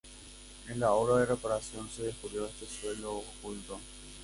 En la obra de reparación se descubrió este suelo oculto.